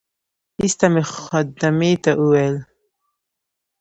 ایسته مې خدمې ته وویل.